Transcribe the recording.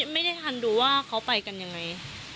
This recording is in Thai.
ไม่ทันดูว่าเขาไปกันยังไง